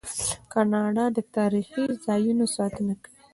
کاناډا د تاریخي ځایونو ساتنه کوي.